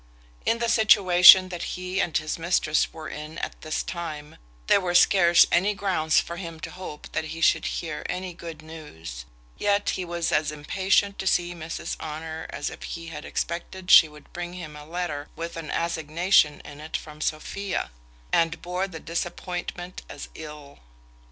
In the situation that he and his mistress were in at this time, there were scarce any grounds for him to hope that he should hear any good news; yet he was as impatient to see Mrs Honour as if he had expected she would bring him a letter with an assignation in it from Sophia, and bore the disappointment as ill.